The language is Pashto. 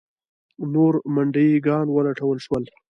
نور منډیي ګان ولټول شول.